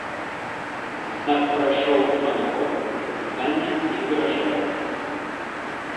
Аднак прайшоў амаль год, а пытанне не вырашаецца.